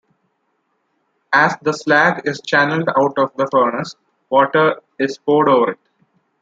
As the slag is channeled out of the furnace, water is poured over it.